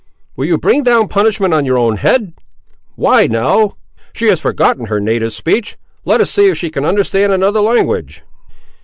will you bring down punishment on your own head? Why, Nell!—she has forgotten her native speech; let us see if she can understand another language."